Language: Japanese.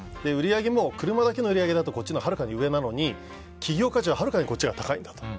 売り上げも車だけの売り上げだとこっちのほうがはるかに上なのに企業価値ははるかにこっちが高いんだ